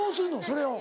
それを。